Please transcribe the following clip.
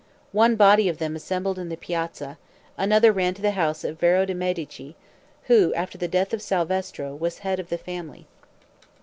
One body of them assembled in the piazza; another ran to the house of Veri de' Medici, who, after the death of Salvestro, was head of the family.